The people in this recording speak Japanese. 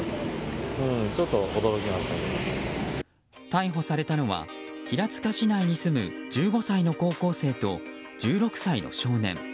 逮捕されたのは平塚市内に住む１５歳の高校生と１６歳の少年